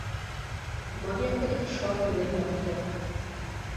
— Мый ынде шып илен ом керт.